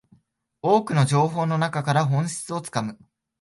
多くの情報の中から本質をつかむ